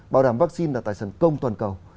bảo đảm vaccine là tài sản công toàn cầu